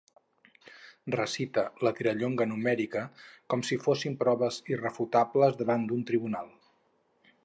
Recita la tirallonga numèrica com si fossin proves irrefutables davant d'un tribunal.